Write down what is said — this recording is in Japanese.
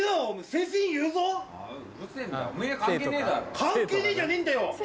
関係ねえじゃねぇんだよ！